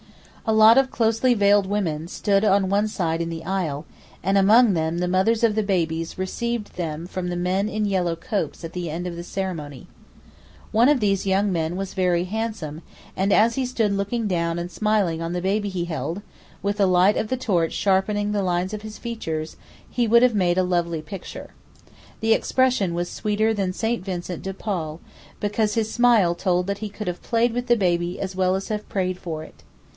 A lot of closely veiled women stood on one side in the aisle, and among them the mothers of the babies who received them from the men in yellow copes at the end of the ceremony. One of these young men was very handsome, and as he stood looking down and smiling on the baby he held, with the light of the torch sharpening the lines of his features, would have made a lovely picture. The expression was sweeter than St. Vincent de Paul, because his smile told that he could have played with the baby as well as have prayed for it.